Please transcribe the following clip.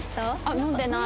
飲んでない。